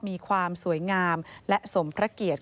มีความสวยงามและสมพระเกียรติ